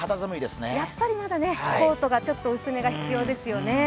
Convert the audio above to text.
やっぱりまだコートがちょっと薄めが必要ですよね。